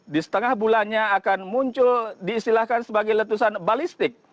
di setengah bulannya akan muncul diistilahkan sebagai letusan balistik